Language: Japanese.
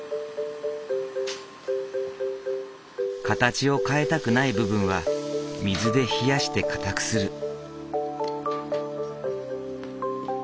形を変えたくない部分は水で冷やして硬くする。